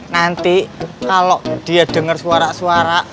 nanti kalau dia dengar suara suara